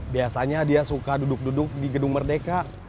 biasanya dia suka duduk duduk di gedung merdeka